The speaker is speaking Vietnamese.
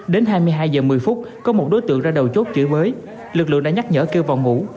đến hai mươi hai h một mươi phút có một đối tượng ra đầu chốt chửi bới lực lượng đã nhắc nhở kêu vào ngủ